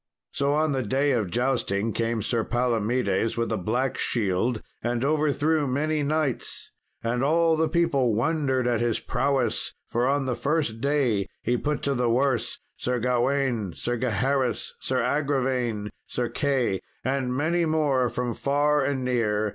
So on the day of jousting came Sir Palomedes, with a black shield, and overthrew many knights. And all the people wondered at his prowess; for on the first day he put to the worse Sir Gawain, Sir Gaheris, Sir Agravaine, Sir Key, and many more from far and near.